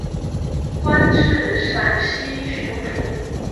官至陕西巡抚。